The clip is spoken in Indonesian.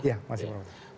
iya masih proses